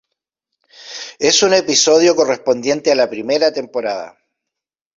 Es un episodio correspondiente a la primera temporada.